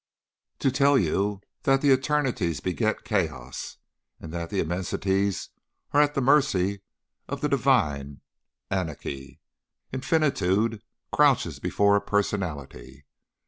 "'To tell you that the eternities beget chaos, and that the immensities are at the mercy of the divine ananke. Infinitude crouches before a personality.